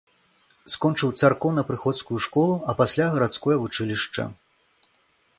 Скончыў царкоўнапрыходскую школу, а пасля гарадское вучылішча.